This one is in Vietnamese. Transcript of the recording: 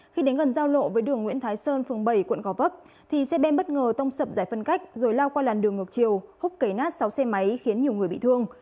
khi đến gần giao lộ với đường nguyễn thái sơn phường bảy quận gò vấp thì xe bên bất ngờ tông sập giải phân cách rồi lao qua làn đường ngược chiều húc cấy nát sáu xe máy khiến nhiều người bị thương